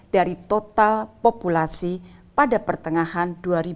dari total populasi pada pertengahan dua ribu dua puluh